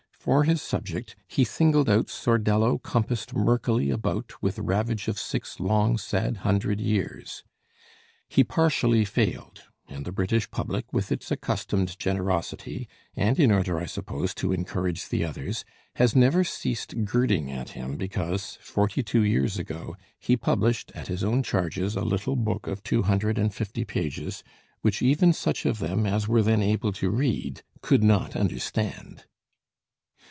For his subject 'He singled out Sordello compassed murkily about With ravage of six long sad hundred years.' "He partially failed; and the British public, with its accustomed generosity, and in order, I suppose, to encourage the others, has never ceased girding at him because, forty two years ago, he published at his own charges a little book of two hundred and fifty pages, which even such of them as were then able to read could not understand."